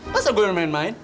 masa gue main main